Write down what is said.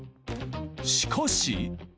しかし。